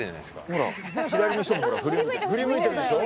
ほら左の人も振り向いてるでしょ。